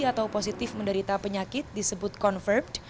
atau positif menderita penyakit disebut confirm